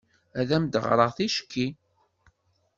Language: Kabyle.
Ad am-d-ɣreɣ ticki.